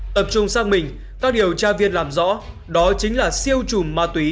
tập trung sang mình các điều tra viên làm rõ đó chính là siêu chùm ma túy